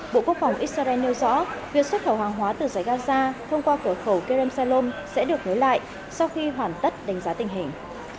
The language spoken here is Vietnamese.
bộ quốc phòng israel nêu rõ việc xuất khẩu hàng hóa từ giải gaza thông qua cửa khẩu kerem salom sẽ được nối lại sau khi hoàn tất đánh giá tình hình